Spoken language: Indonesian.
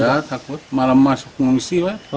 ya takut malam masuk ngungsi lah